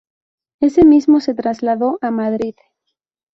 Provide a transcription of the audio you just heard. Ese mismo se trasladó a Madrid.